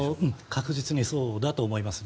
確実にそうだと思います。